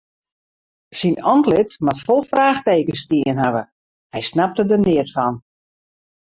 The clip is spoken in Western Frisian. Syn antlit moat fol fraachtekens stien hawwe, hy snapte der neat fan.